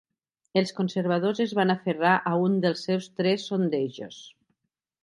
Els Conservadors es van aferrar a un dels seus tres sondejos.